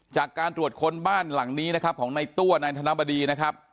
จากการตรวจค้นบ้านหลังนี้นะครับของในตัวนายธนบดีนะครับ